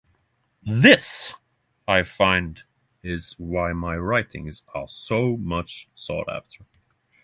"This" I find is why my writings are so much sought after.